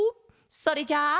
それじゃあ。